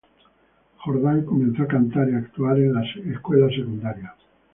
Jordan comenzó a cantar y actuar en la escuela secundaria.